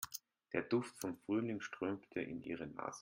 Der Duft von Frühling strömte in ihre Nase.